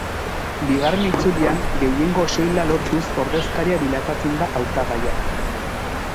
Bigarren itzulian gehiengo soila lortuz ordezkaria bilakatzen da hautagaia.